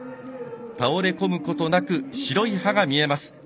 倒れ込むことなく白い歯が見えます。